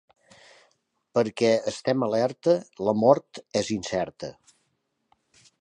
Perquè estem alerta, la mort és incerta.